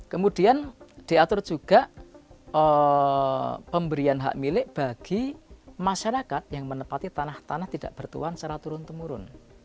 kemudian diatur juga pemberian hak milik bagi masyarakat yang menepati tanah tanah tidak bertuan secara turun temurun